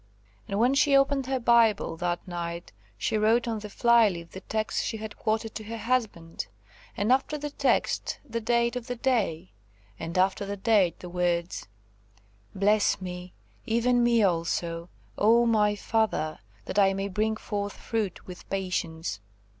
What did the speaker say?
And when she opened her Bible that night she wrote on the fly leaf the text she had quoted to her husband, and after the text the date of the day , and after the date the words, "Bless me, even me also, oh my Father, that I may bring forth fruit with patience!"